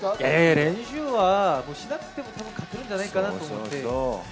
練習はしなくても勝てるんじゃないかなと思って。